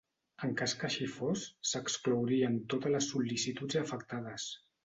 En cas que així fos s'exclourien totes les sol·licituds afectades.